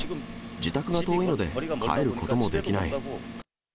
自宅が遠いので帰ることもできない。